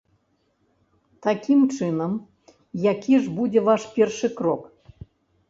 Такім чынам, які ж будзе ваш першы крок?